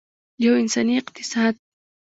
یو انساني اقتصاد.